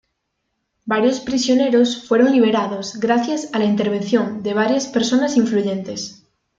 Varios prisioneros fueron liberados gracias a la intervención de varias personas influyentes.